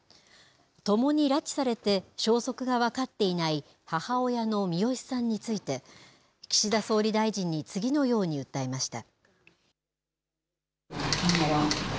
共に拉致されて消息が分かっていない母親のミヨシさんについて、岸田総理大臣に次のように訴えました。